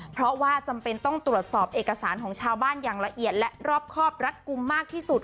เพราะว่าจำเป็นต้องตรวจสอบเอกสารของชาวบ้านอย่างละเอียดและรอบครอบรัดกลุ่มมากที่สุด